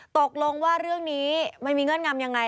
ตกลงว่าเรื่องนี้มันมีเงื่อนงำยังไง